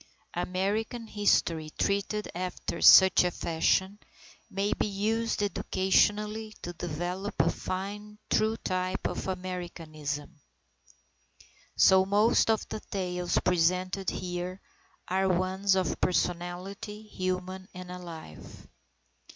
American history treated after such a fashion, may be used educationally to develop a fine, true type of Americanism. So most of the tales presented here are ones of personality, human and alive.